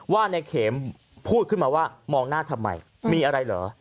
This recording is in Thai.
ว่าในเข็มพูดขึ้นมาว่ามองหน้าทำไมมีอะไรเหรอ